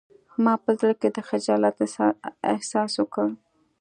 ما په زړه کې د خجالت احساس وکړ